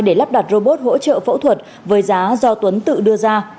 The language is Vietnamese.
để lắp đặt robot hỗ trợ phẫu thuật với giá do tuấn tự đưa ra